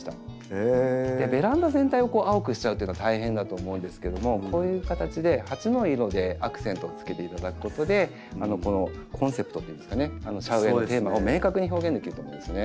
ベランダ全体を青くしちゃうっていうのは大変だと思うんですけどもこういう形で鉢の色でアクセントをつけていただくことでこのコンセプトっていうんですかねシャウエンのテーマを明確に表現できると思うんですね。